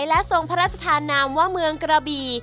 และทรงพระราชธานามว่าเมืองกระบี่